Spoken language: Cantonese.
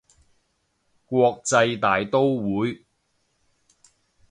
國際大刀會